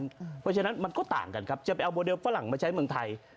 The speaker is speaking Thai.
เพราะฉะนั้นมันก็ต่างกันครับจะไปเอาโมเดลฝรั่งมาใช้เมืองไทย